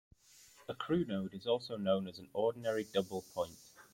A crunode is also known as an "ordinary double point".